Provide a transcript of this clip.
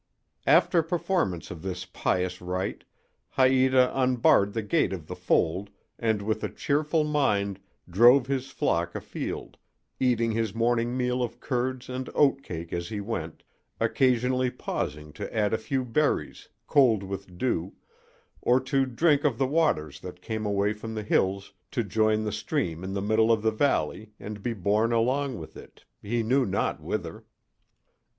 After performance of this pious rite Haïta unbarred the gate of the fold and with a cheerful mind drove his flock afield, eating his morning meal of curds and oat cake as he went, occasionally pausing to add a few berries, cold with dew, or to drink of the waters that came away from the hills to join the stream in the middle of the valley and be borne along with it, he knew not whither.